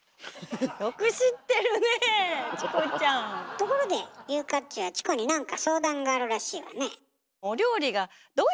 ところで優香っちはチコになんか相談があるらしいわね。